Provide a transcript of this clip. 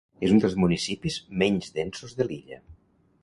És un dels municipis menys densos de l'illa.